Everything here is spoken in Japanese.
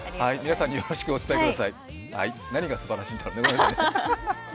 何がすばらしいんだ、ハハッ。